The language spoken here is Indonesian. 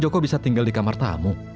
joko bisa tinggal di kamar tamu